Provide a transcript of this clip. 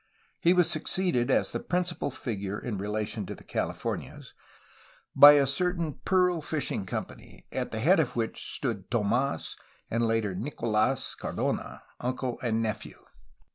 He was succeeded as the principal figure in relation to the Californias by a certain pearl fishing com pany, at the head of which stood Tomas and later Nicolas Cardona, uncle and nephew.